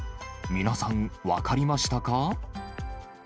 皆さん、分かりましたか？